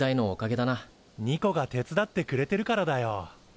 ニコが手伝ってくれてるからだよ。